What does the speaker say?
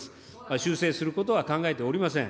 修正することは考えておりません。